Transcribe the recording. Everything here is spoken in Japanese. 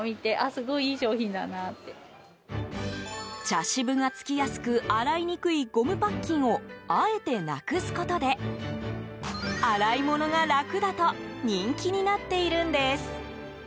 茶渋がつきやすく洗いにくいゴムパッキンをあえてなくすことで洗い物が楽だと人気になっているんです。